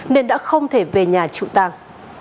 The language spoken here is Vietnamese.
nên đã không thể về nhà trụ tàng